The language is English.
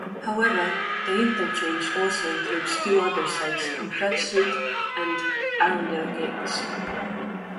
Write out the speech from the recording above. However, the Interchange also includes two other sites, on Flat Street and Arundel Gate.